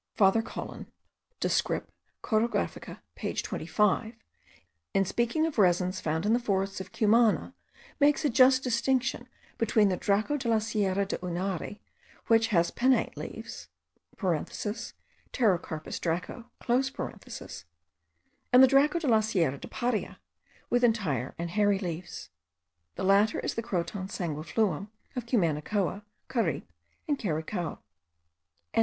Father Caulin Descrip. Corografica page 25, in speaking of resins found in the forests of Cumana, makes a just distinction between the Draco de la Sierra de Unare, which has pinnate leaves (Pterocarpus Draco), and the Draco de la Sierra de Paria, with entire and hairy leaves. The latter is the Croton sanguifluum of Cumanacoa, Caripe, and Cariaco.